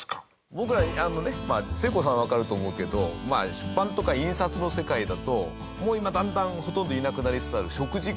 僕らまあせいこうさんはわかると思うけど出版とか印刷の世界だともう今だんだんほとんどいなくなりつつある植字